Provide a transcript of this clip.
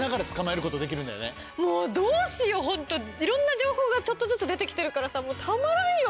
もうどうしようホントいろんな情報がちょっとずつ出てきてるからさもうたまらんよ。